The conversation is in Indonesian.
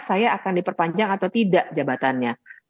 saya akan diperpanjang atau tidak jabatannya